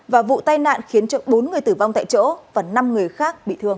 và vụ tai nạn khiến cho bốn người tử vong tại chỗ và năm người khác bị thương